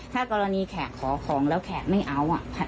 ถ้ากรณีแขกขอของแล้วแขกไม่เอา